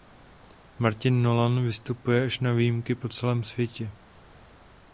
Martin Nolan vystupuje až na výjimky po celém světě.